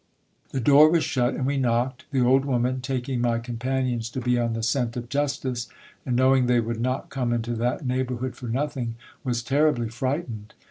The door was shut, and we knocked. The old woman, taking my companions to be on the scent of justice, and knowing they would not come into that neighbourhood for nothing, was terribly fright ened.